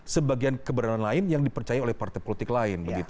sebagian keberadaan lain yang dipercaya oleh partai politik lain